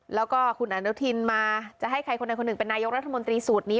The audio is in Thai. แล้วก็คุณอนุทินมาจะให้ใครคนใดคนหนึ่งเป็นนายกรัฐมนตรีสูตรนี้